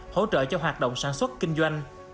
hỗ trợ cho hoạt động sản xuất kinh doanh